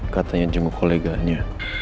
katanya jenguk koleganya